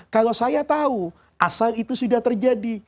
kalau saya tahu asal itu sudah terjadi